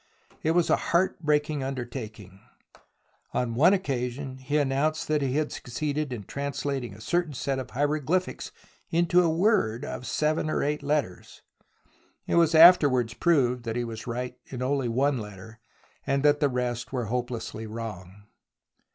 It was a heart breaking under taking. On one occasion he announced that he had succeeded in translating a certain set of hieroglyphics into a word of seven or eight letters. It was afterwards proved that he was right in only one letter, and that the rest were hopelessly wrong.